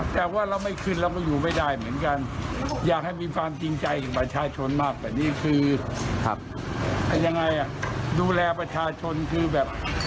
แต่นี่คือยังไงดูแลประชาชนคือแบบ